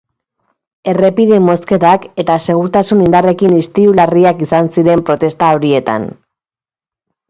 Errepide-mozketak eta segurtasun-indarrekin istilu larriak izan ziren protesta horietan.